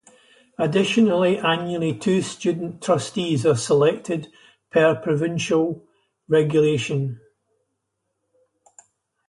Additionally, annually, two student trustees are selected per provincial regulation.